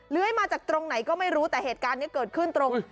มาจากตรงไหนก็ไม่รู้แต่เหตุการณ์นี้เกิดขึ้นตรง